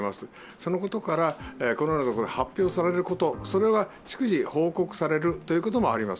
そのことから、これらのことが発表されること、それは逐次報告されることもあります。